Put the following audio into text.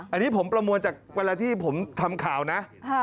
อันนี้ผมประมวลจากเวลาที่ผมทำข่าวนะ